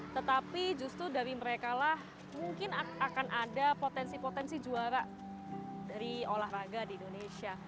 tetapi justru dari mereka lah mungkin akan ada potensi potensi juara dari olahraga di indonesia